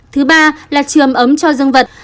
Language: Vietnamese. ba trường ấm cho dương vật